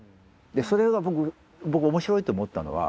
それが僕面白いと思ったのは。